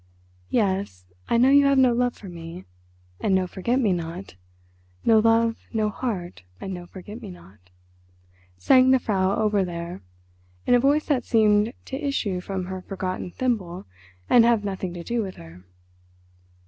"Yes, I know you have no love for me, And no forget me not. No love, no heart, and no forget me not." sang the Frau Oberlehrer, in a voice that seemed to issue from her forgotten thimble and have nothing to do with her.